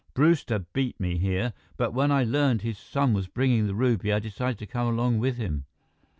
Brewster beat me here, but when I learned his son was bringing the ruby, I decided to come along with him."